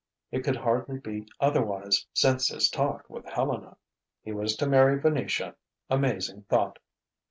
It could hardly be otherwise since his talk with Helena. He was to marry Venetia. Amazing thought!